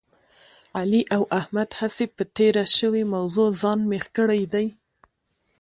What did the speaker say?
علي او احمد هسې په تېره شوې موضوع ځان مېخ کړی دی.